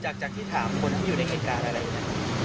จากที่ถามคนที่อยู่ในเหตุการณ์อะไรนะ